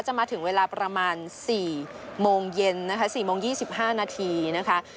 จะมาถึงเวลาประมาณสี่โมงเย็นนะคะสี่โมงยี่สิบห้านาทีนะคะ